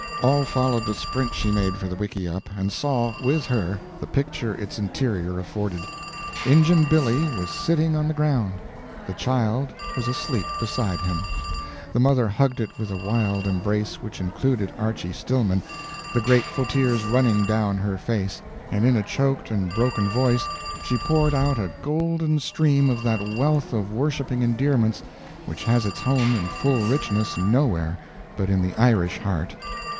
All followed the sprint she made for the wickieup, and saw, with her, the picture its interior afforded. Injun Billy was sitting on the ground; the child was asleep beside him. The mother hugged it with a wild embrace, which included Archy Stillman, the grateful tears running down her face, and in a choked and broken voice she poured out a golden stream of that wealth of worshiping endearments which has its home in full richness nowhere but in the Irish heart.